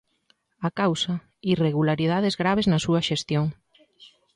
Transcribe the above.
A causa: "irregularidades graves" na súa xestión.